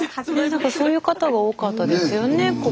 スタジオそういう方が多かったですよね。